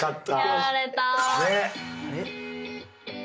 やられた。ね！